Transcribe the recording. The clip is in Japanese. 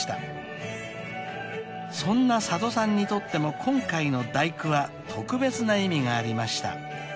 ［そんな佐渡さんにとっても今回の『第九』は特別な意味がありました］